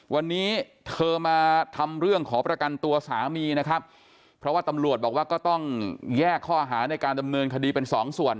วันนี้เธอมาทำเรื่องขอประกันตัวสามีนะครับเพราะว่าตำรวจบอกว่าก็ต้องแยกข้อหาในการดำเนินคดีเป็นสองส่วน